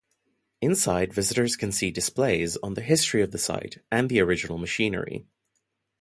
Inside visitors can see displays on the history of the site and original machinery.